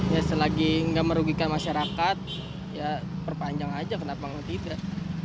ya selagi nggak merugikan masyarakat ya perpanjang aja kenapa nggak